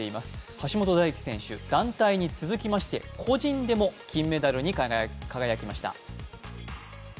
橋本大輝選手、団体に続きまして個人でも金メダルに輝きました。